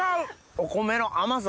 お米の甘さ